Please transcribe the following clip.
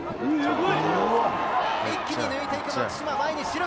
一気に抜いていく松島、前に。